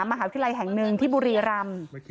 มหาวิทยาลัยแห่งหนึ่งที่บุรีรำ